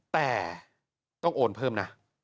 แต่ต้องโอนเพิ่มนะ